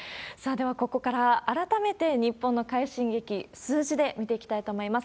ではここから改めて日本の快進撃、数字で見ていきたいと思います。